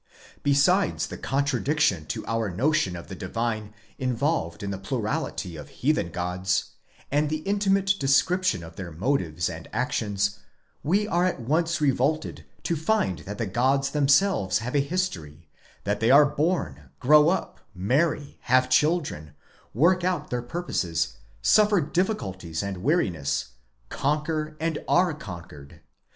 Besides the contradiction to our notion of the divine involved in the plurality of heathen gods, and the intimate description of their motives and actions, we are at once revolted to find that the gods themselves have a history ; that they are born, grow up, marry, have children, work out their purposes, suffer difficulties and weariness, conquer and are conquered.